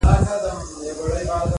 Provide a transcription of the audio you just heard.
نور د عصمت کوڅو ته مه وروله-